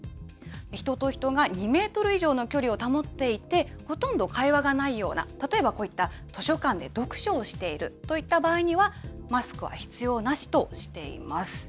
人と人が２メートル以上の距離を保っていて、ほとんど会話がないような、例えば、こういった図書館で読書をしているといった場合には、マスクは必要なしとしています。